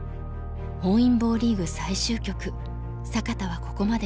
本因坊リーグ最終局坂田はここまで５勝１敗。